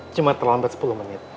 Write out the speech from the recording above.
cuma terlambat sepuluh menit